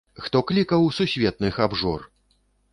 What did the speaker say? Хто клікаў сусветных абжор!